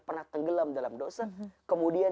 pernah tenggelam dalam dosa kemudian